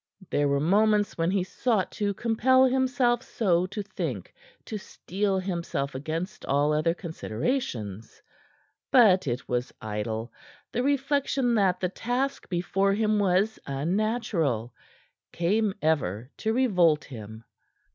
There were moments when he sought to compel himself so to think, to steel himself against all other considerations. But it was idle. The reflection that the task before him was unnatural came ever to revolt him.